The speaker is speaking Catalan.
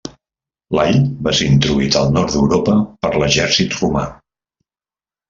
L'all va ser introduït al nord d'Europa per l'exèrcit romà.